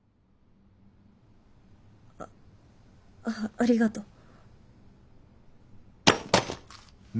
あっありがと。